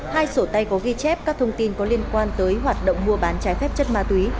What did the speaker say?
hai sổ tay có ghi chép các thông tin có liên quan tới hoạt động mua bán trái phép chất ma túy